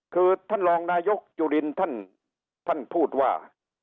คือท่านรองนายกจุลินท่านพูดว่า